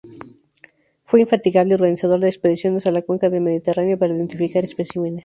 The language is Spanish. Fue infatigable organizador de expediciones a la cuenca del Mediterráneo para identificar especímenes.